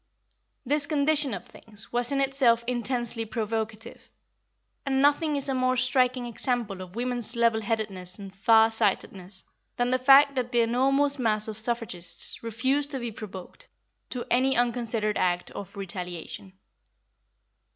This condition of things was in itself intensely provocative, and nothing is a more striking example of women's level headedness and far sightedness than the fact that the enormous mass of suffragists refused to be provoked to any unconsidered act of retaliation.